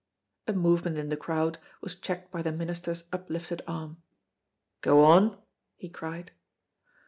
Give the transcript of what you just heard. A movement in the crowd was checked by the minister's uplifted arm. "Go on," he cried.